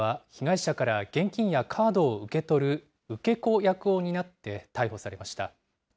多くは被害者から現金やカードを受け取る受け子役を担って逮捕されました。